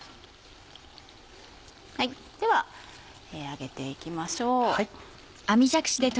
では上げていきましょう。